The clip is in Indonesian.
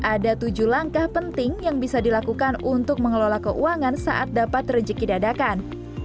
ada tujuh langkah penting yang bisa dilakukan untuk mengelola keuangan saat dapat rejeki dadakan